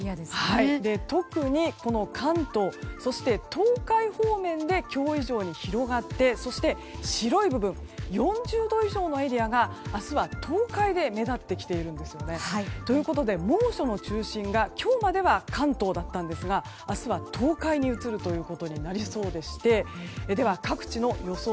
特に関東、そして東海方面で今日以上に広がってそして、白い部分４０度以上のエリアが明日は東海で目立ってきているんですね。ということで猛暑の中心が今日までは関東だったんですが明日は東海に移るということになりそうでして各地の予想